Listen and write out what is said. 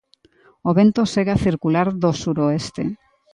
O vento segue a circular do suroeste.